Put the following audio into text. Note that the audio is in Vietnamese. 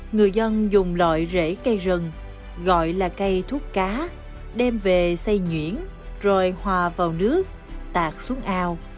người dân dùng loại rễ cây rừng gọi là cây thuốc cá đem về xây nhuyễn rồi hòa vào nước tạc xuống ao